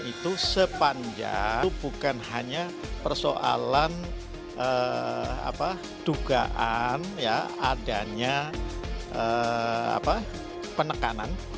itu sepanjang bukan hanya persoalan dugaan adanya penekanan